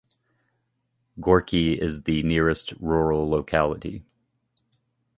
Gorki is the nearest rural locality.